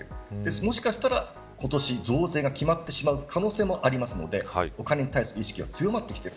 もしかしたら、今年増税が決まる可能性もありますのでお金に対する意識は強まってきている。